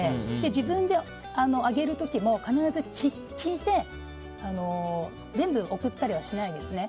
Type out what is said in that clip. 自分であげる時も必ず聞いて全部送ったりはしないんですね。